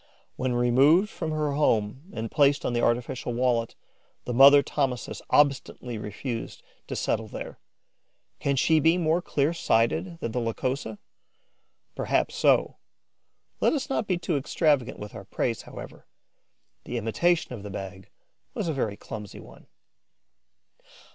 When removed from her home and placed on the artificial wallet, the mother Thomisus obstinately refused to settle there. Can she be more clear sighted than the Lycosa? Perhaps so. Let us not be too extravagant with our praise, however; the imitation of the bag was a very clumsy one.